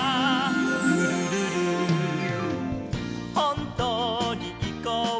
「ルルルル」「ほんとにいこうよ」